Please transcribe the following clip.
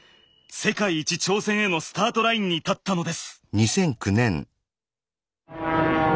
世界一挑戦へのスタートラインに立ったのです。